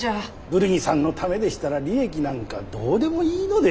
ブルギさんのためでしたら利益なんかどうでもいいのです。